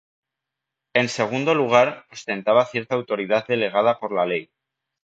En segundo lugar, ostentaba cierta autoridad delegada por la ley.